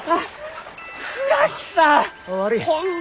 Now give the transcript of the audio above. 倉木さん！